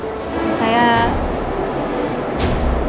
kalau seperti itu malah saya makin gak enak